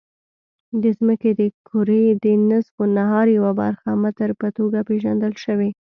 د ځمکې د کرې د نصف النهار یوه برخه متر په توګه پېژندل شوې.